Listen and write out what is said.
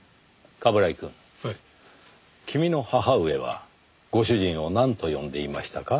君の母上はご主人をなんと呼んでいましたか？